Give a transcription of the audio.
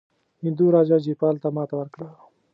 هندو راجا جیپال ته ماته ورکړه.